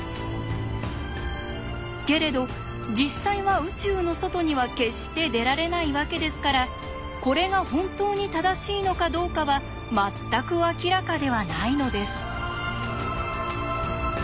けれど実際は宇宙の外には決して出られないわけですからこれが本当に正しいのかどうかは全く明らかではないのです。